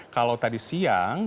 kalau tadi siang